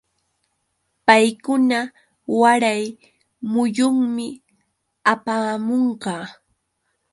Paykuna waray muyunmi hapaamunqa.